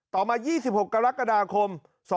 ต่อมา๒๖กรกฎาคม๒๕๖